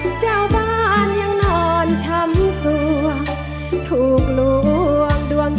ดวงเจ้าบ้านยังนอนช้ำซวงถูกล่วง